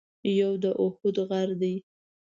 یو د اُحد غر دی.